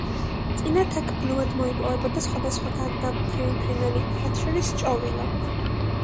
წინათ აქ ბლომად მოიპოვებოდა სხვადასხვა გადამფრენი ფრინველი, მათ შორის ჭოვილო.